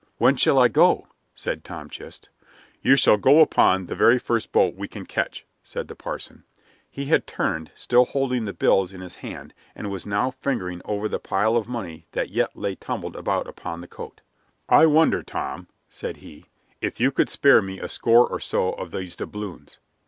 "When shall I go?" said Tom Chist. "You shall go upon the very first boat we can catch," said the parson. He had turned, still holding the bills in his hand, and was now fingering over the pile of money that yet lay tumbled out upon the coat. "I wonder, Tom," said he, "if you could spare me a score or so of these doubloons?"